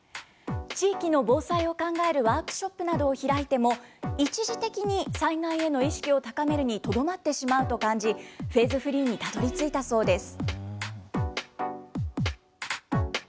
地域の防災を考えるワークショップなどを開いても、一時的に災害への意識を高めるにとどまってしまうと感じ、フェーズフリーにたどりついたそうです。